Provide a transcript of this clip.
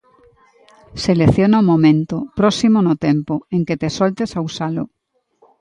Selecciona o momento, próximo no tempo, en que te soltes a usalo.